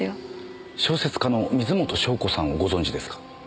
小説家の水元湘子さんをご存じですか？